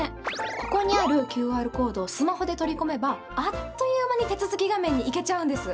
ここにあるＱＲコードをスマホで取り込めばあっという間に手続き画面に行けちゃうんです。